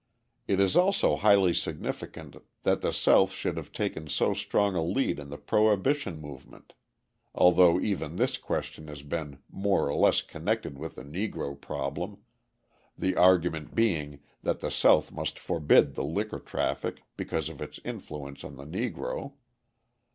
It is also highly significant that the South should have taken so strong a lead in the prohibition movement, although even this question has been more or less connected with the Negro problem, the argument being that the South must forbid the liquor traffic because of its influence on the Negro.